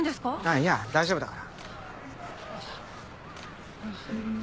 いや大丈夫だから。